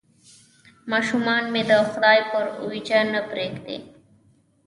ماشومان مې د خدای پر اوېجه نه پرېږدي.